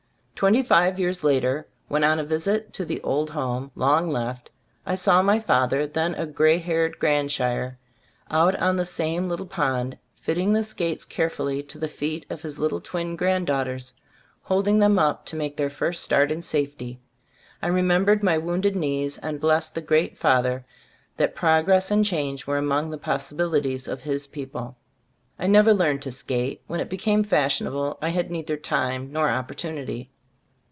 Twenty five years later, when on a visit to the old home, long left, I saw my father, then a grey haired grandsire, out on the same little pond, fitting the skates carefully to the feet of his little twin granddaughters, holding them up to make their first start in safety, I remembered my wounded knees, and blessed the great Father that progress and change were among the possibilities of His people. I never learned to skate. When it became fashionable I had neither time nor opportunity.